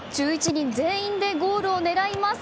１１人全員でゴールを狙います。